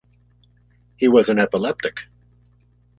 He was an epileptic.